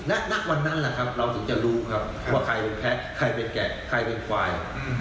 และณวันนั้นแหละครับเราถึงจะรู้ครับว่าใครเป็นแพ้ใครเป็นแกะใครเป็นควาย